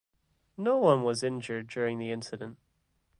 No one was injured during the incident.